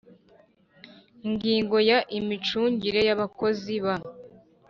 Ingingo ya imicungire y abakozi ba